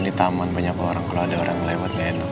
sini taman banyak orang kalo ada orang lewat gak enak